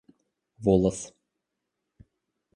волос